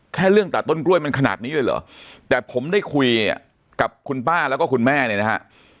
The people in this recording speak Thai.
แค่เรื่องตัดต้นกล้วยมันขนาดนี้เลยเหรอแต่ผมได้คุยกับคุณป้าแล้วก็คุณแม่เนี่ยนะฮะ